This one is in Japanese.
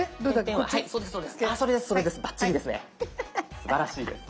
すばらしいです。